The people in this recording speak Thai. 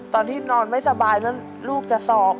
ตอนที่นอนไม่สบายนั้นลูกจะศอก